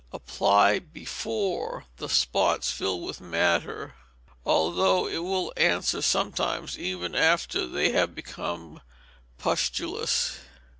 Apply before the spots fill with matter, although it will answer sometimes even after they have become pustulous.